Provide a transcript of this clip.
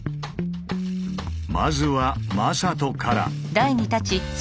まずは魔裟斗から。